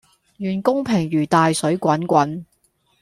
願公平如大水滾滾